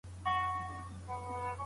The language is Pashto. د ښووني پوهنځۍ بې دلیله نه تړل کیږي.